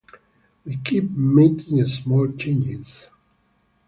We keep making small changes.